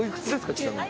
ちなみに。